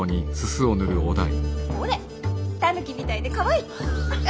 ほれタヌキみたいでかわいい。